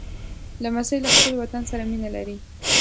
لمسی له خپل وطن سره مینه لري.